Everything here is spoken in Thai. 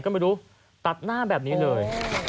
ก็ไม่รู้ตัดหน้าแบบนี้เลย